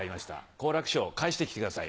好楽師匠返してきてください